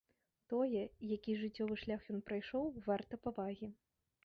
Тое, які жыццёвы шлях ён прайшоў, варта павагі.